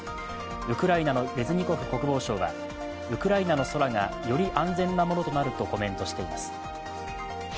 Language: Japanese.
ウクライナのレズニコフ国防相はウクライナの空がより安全なものになるとコメントしています。